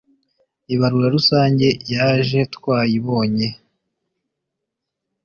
ibarura rusange yaje twayibonye